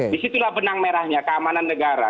disitulah benang merahnya keamanan negara